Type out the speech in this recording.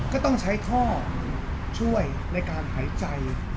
ก็ต้องใช้ท่อช่วยในการหายใจ